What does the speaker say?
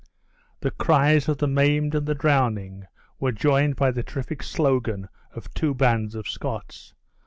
The cries of the maimed and the drowning were joined by the terrific slogan of two bands of Scots.